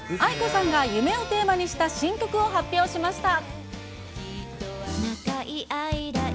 ａｉｋｏさんが夢をテーマにした新曲を発表しました。